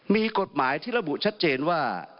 มีกฎหมายที่ระบุชัดเจนว่า